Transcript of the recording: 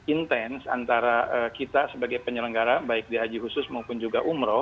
intens antara kita sebagai penyelenggara baik di haji khusus maupun juga umroh